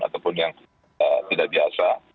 atau yang tidak biasa